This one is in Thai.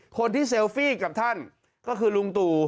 คนที่เซลฟี่กับท่านก็คือลุงตุ